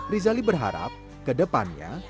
rizali berharap ke depannya